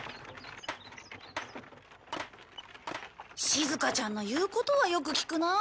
しずかちゃんの言うことはよく聞くな。